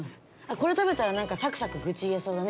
これ食べたらサクサク愚痴言えそうだね